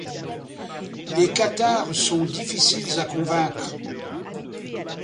Les cathares sont difficiles à convaincre.